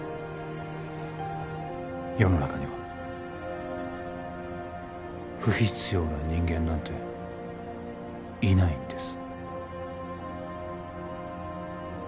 世の中には不必要な人間なんていないんです